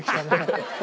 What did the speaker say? ハハハ！